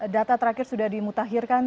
data terakhir sudah dimutahirkan